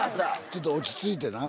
ちょっと落ち着いてな。